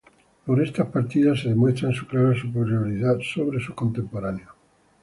Por estas partidas se demuestra su clara superioridad sobre sus contemporáneos.